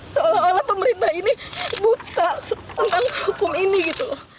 seolah olah pemerintah ini buta tentang hukum ini